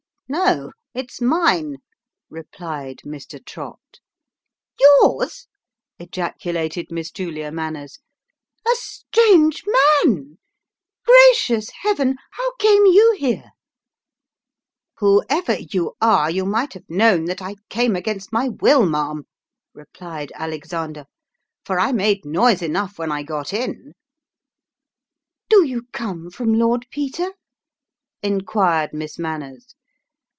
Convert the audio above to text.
" No, it's mine," replied Mr. Trott. " Yours !" ejaculated Miss Julia Manners ;" a strange man ! Gracious heaven ! How came you here ?"" Whoever you are, you might have known that I came against my 318 Sketches by Bos. will, ma'am," replied Alexander, "for I made noise enough when 1 got in." " Do you come from Lord Peter ?" inquired Miss Manners.